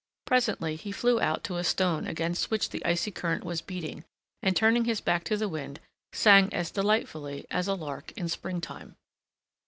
Presently he flew out to a stone against which the icy current was beating, and turning his back to the wind, sang as delightfully as a lark in springtime.